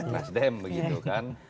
nasdem begitu kan